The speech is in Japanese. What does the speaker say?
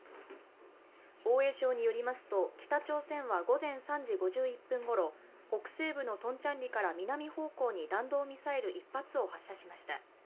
防衛省によりますと、北朝鮮は午前３時５１分ごろ北西部のトンチャンリから南方向に弾道ミサイル１発を発射しました。